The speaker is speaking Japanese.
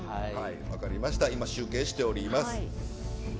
今集計しております。